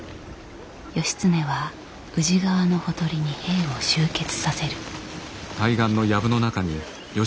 義経は宇治川のほとりに兵を集結させる。